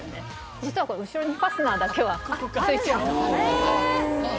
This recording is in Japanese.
実はこれ後ろにファスナーだけは付いてる。